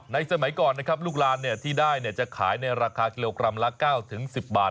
สมัยก่อนนะครับลูกลานที่ได้จะขายในราคากิโลกรัมละ๙๑๐บาท